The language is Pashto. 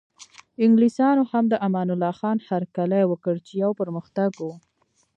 انګلیسانو هم د امان الله خان هرکلی وکړ چې یو پرمختګ و.